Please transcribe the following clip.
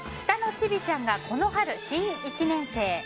下のチビちゃんが、この春新１年生。